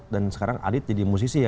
dan sekarang adit jadi musisi ya